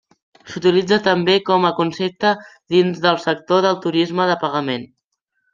S'utilitza també com a concepte dins del sector del turisme de pagament.